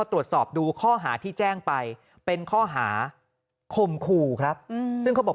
ตรวจสอบดูข้อหาที่แจ้งไปเป็นข้อหาคมขู่ครับซึ่งเขาบอก